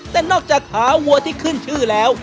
แต่นอกจากขาวัวที่ขึ้นชื่อแล้ว